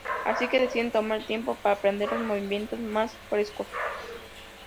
Así que deciden tomar el tiempo para aprender los movimientos más frescos.